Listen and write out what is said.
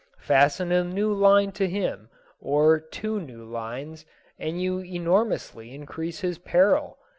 Fasten a new line to him, or two new lines, and you enormously increase his peril.